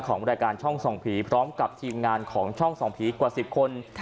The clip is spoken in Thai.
ของรายการช่องส่องผีพร้อมกับทีมงานของช่องส่องผีกว่า๑๐คน